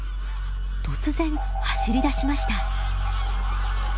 突然走りだしました。